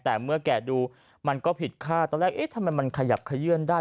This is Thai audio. แต่เมื่อแก่ดูมันก็ผิดค่าตอนแรกเอ๊ะทำไมมันขยับขยื่นได้